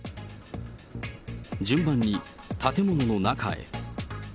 順番に建物の中へ。